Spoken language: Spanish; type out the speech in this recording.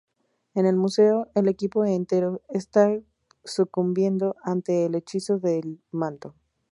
En el museo el equipo entero está sucumbiendo ante el hechizo del manto.